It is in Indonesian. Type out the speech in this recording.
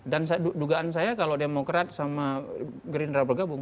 dan dugaan saya kalau demokrat sama gerindra bergabung